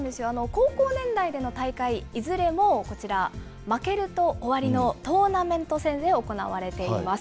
高校年代での大会、いずれもこちら、負けると終わりのトーナメント戦で行われています。